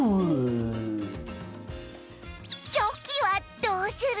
チョキはどうする？